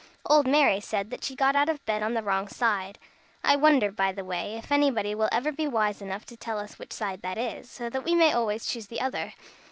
Old Mary said that she got out of bed on the wrong side. I wonder, by the way, if anybody will ever be wise enough to tell us which side that is, so that we may always choose the other?